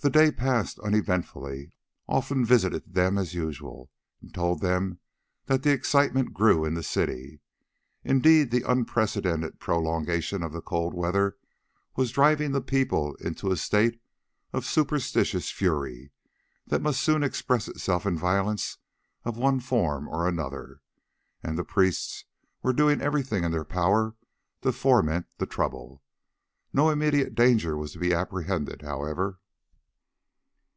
The day passed uneventfully. Olfan visited them as usual, and told them that the excitement grew in the city. Indeed the unprecedented prolongation of the cold weather was driving the people into a state of superstitious fury that must soon express itself in violence of one form or another, and the priests were doing everything in their power to foment the trouble. No immediate danger was to be apprehended, however.